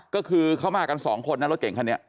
ก็คือเข้ามากัน๒คนนั่นรถเก่งคันนี้